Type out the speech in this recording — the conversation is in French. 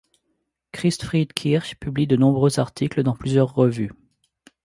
Christfried Kirch publie de nombreux articles dans plusieurs revues.